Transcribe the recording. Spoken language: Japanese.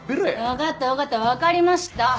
わかったわかったわかりました！